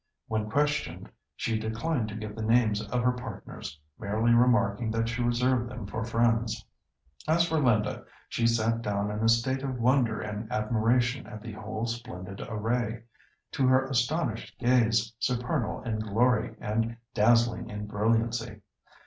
When questioned, she declined to give the names of her partners, merely remarking that she reserved them for friends. As for Linda, she sat down in a state of wonder and admiration at the whole splendid array, to her astonished gaze supernal in glory and dazzling in brilliancy.